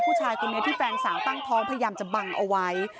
ผู้ชายคนนี้ที่แฟนสาวตั้งท้องพยายามจะบังเอาไว้